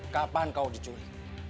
kapan kau dicuri